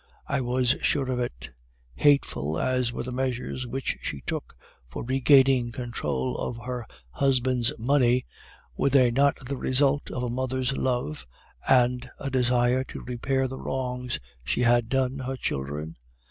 I was sure of it. Hateful as were the measures which she took for regaining control of her husband's money, were they not the result of a mother's love, and a desire to repair the wrongs she had done her children?